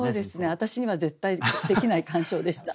私には絶対できない鑑賞でした。